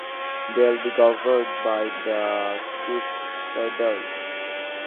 They will be governed by the Crusaders.